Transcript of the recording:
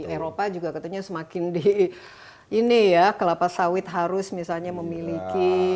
eropa juga katanya semakin di ini ya kelapa sawit harus misalnya memiliki